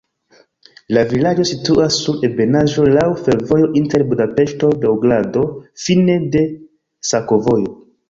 La vilaĝo situas sur ebenaĵo, laŭ fervojo inter Budapeŝto-Beogrado, fine de sakovojo.